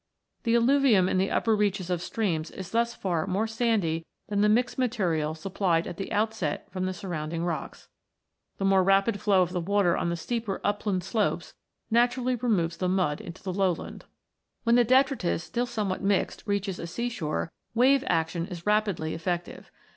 The alluvium in the upper reaches of streams is thus far more sandy than the mixed material supplied at the outset from the surrounding rocks. The more rapid flow of the water on the steeper upland slopes naturally removes the mud into the lowland. When the detritus, still somewhat mixed, reaches a sea shore, wave action is rapidly effective.